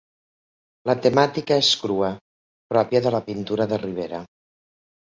La temàtica és crua, pròpia de la pintura de Ribera.